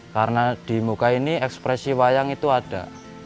karena di muka ini ekspresi wayang itu ada